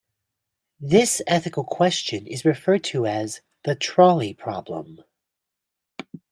This ethical question is referred to as the trolley problem.